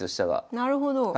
なるほど。